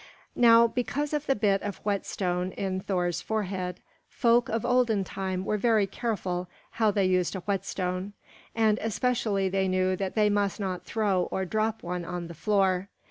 Now because of the bit of whetstone in Thor's forehead, folk of olden times were very careful how they used a whetstone; and especially they knew that they must not throw or drop one on the floor.